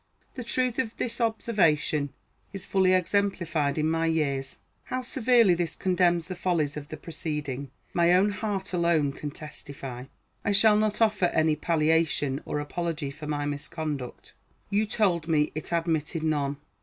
The truth of this observation is fully exemplified in my years. How severely this condemns the follies of the preceding, my own heart alone can testify. I shall not offer any palliation or apology for my misconduct. You told me it admitted none.